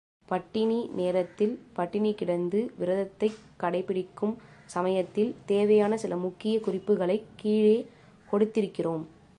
பட்டினி நேரத்தில் பட்டினி கிடந்து விரதத்தைக் கடைப்பிடிக்கும் சமயத்தில், தேவையான சில முக்கிய குறிப்புக்களைக் கீழே கொடுத்திருக்கிறோம்.